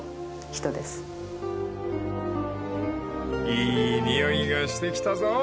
［いい匂いがしてきたぞ］